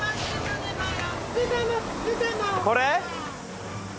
これ？